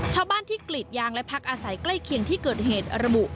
ชาวบ้านที่กรีดยางและพักอาศัยใกล้เคียงที่เกิดเหตุระบุ